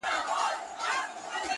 • څنگ ته چي زه درغــــلـم،